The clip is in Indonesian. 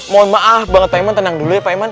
mohon maaf pak iman tenang dulu ya pak iman